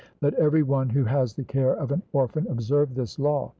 Let every one who has the care of an orphan observe this law.